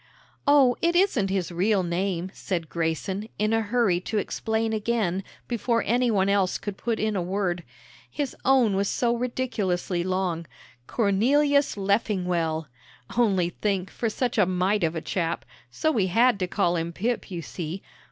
"Oh, it isn't his real name," said Grayson, in a hurry to explain again before any one else could put in a word; "his own was so ridiculously long, Cornelius Leffingwell, only think, for such a mite of a chap, so we had to call him Pip, you see.